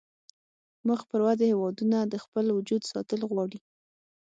مخ پر ودې هیوادونه د خپل وجود ساتل غواړي